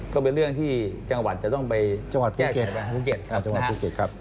ก็เป็นเรื่องที่จังหวัดจะต้องไปแก้ไขบ้างภูเก็ตครับ